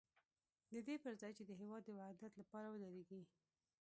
د دې پر ځای چې د هېواد د وحدت لپاره ودرېږي.